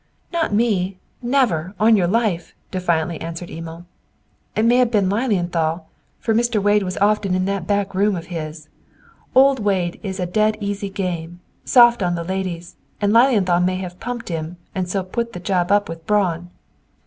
"Not me; never, on your life," defiantly answered Emil. "It may have been Lilienthal, for Mr. Wade was often in that 'back room' of his. Old Wade is a 'dead easy game,' soft on the ladies, and Lilienthal may have pumped him and so put the job up with Braun."